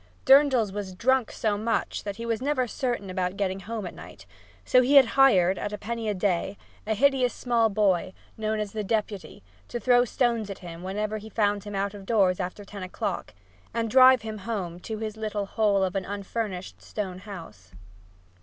Durdles was drunk so much that he was never certain about getting home at night, so he had hired, at a penny a day, a hideous small boy, known as "The Deputy" to throw stones at him whenever he found him out of doors after ten o'clock, and drive him home to his little hole of an unfurnished stone house.